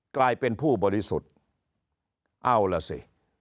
กลายเป็นผู้บริสุทธิ์เอาล่ะสิ